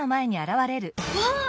わあ！